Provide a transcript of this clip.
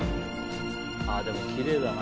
でもきれいだな。